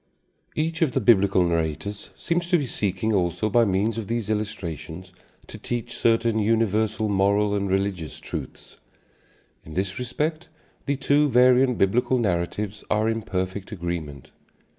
Each of the Biblical narrators seems to be seeking also by means of these illustrations to teach certain universal moral and religious truths. In this respect the two variant Biblical narratives are in perfect agreement.